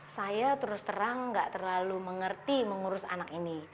saya terus terang gak terlalu mengerti mengurus anak ini